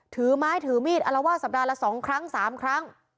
ถือไม้ถือมีดอลวาดสัปดาห์ละ๒ครั้ง๓ครั้ง